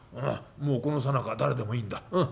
もうこのさなか誰でもいいんだうん。